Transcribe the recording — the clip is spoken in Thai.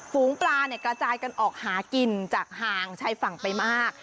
ฝูงปลาเนี่ยกระจายกันออกหากินจากห่างชายฝั่งไปมาก